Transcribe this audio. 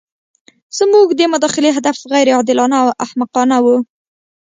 زموږ د مداخلې هدف غیر عادلانه او احمقانه وو.